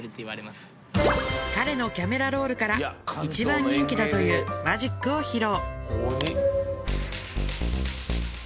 彼のキャメラロールから一番人気だというマジックを披露